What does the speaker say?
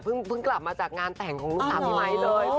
เพิ่งกลับมาจากงานแต่งของลูกสาวพี่ไมค์เลย